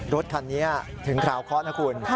รถคันนี้ถึงคราวเคาะนะคุณ